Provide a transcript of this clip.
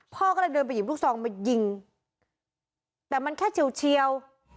พ่อก็เลยเดินไปหยิบลูกซองมายิงแต่มันแค่เฉียว